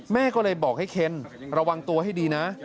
แม่ก็เลยบอกให้เคนระวังตัวให้ดีนะ